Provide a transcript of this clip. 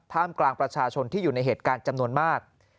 กลางประชาชนที่อยู่ในเหตุการณ์จำนวนมาก